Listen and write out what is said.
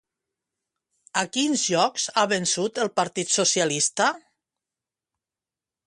A quins llocs ha vençut el partit socialista?